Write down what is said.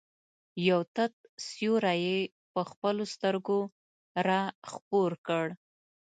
یو تت سیوری یې په خپلو سترګو را خپور کړ.